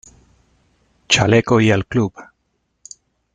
¡ chaleco y al club !